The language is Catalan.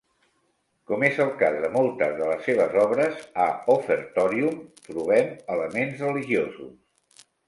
Com és el cas de moltes de les seves obres, a "Offertorium" trobem elements religiosos.